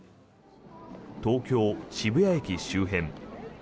東京・渋谷駅周辺。